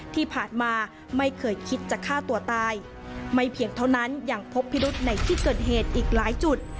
ที่ผ่านมาไม่เคยคิดจะฆ่าตัวตายไม่เพียงเท่านั้นยังพบพิรุธในที่เกิดเหตุอีกหลายจุด